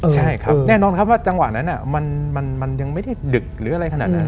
ใช่ครับแน่นอนครับว่าจังหวะนั้นมันยังไม่ได้ดึกหรืออะไรขนาดนั้น